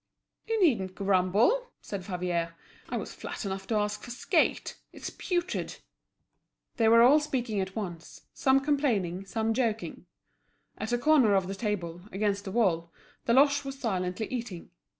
"You needn't grumble!" said Favier. "I was flat enough to ask for skate. It's putrid." They were all speaking at once, some complaining, some joking. At a corner of the table, against the wall, Deloche was silently eating.